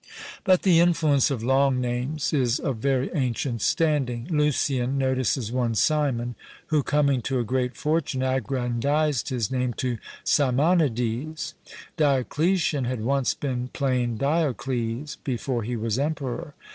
But the influence of long names is of very ancient standing. Lucian notices one Simon, who coming to a great fortune aggrandised his name to Simonides. Dioclesian had once been plain Diocles before he was emperor.